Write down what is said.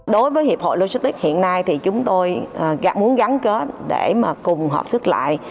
đối với hiệp hội logistics hiện nay thì chúng tôi muốn gắn kết để mà cùng hợp sức lại